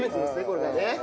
これがね。